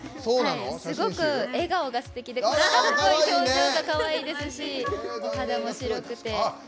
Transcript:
すごく笑顔がすてきで表情がかわいいですし肌も白くて。